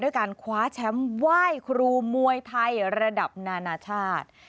การคว้าแชมป์ไหว้ครูมวยไทยระดับนานาชาติ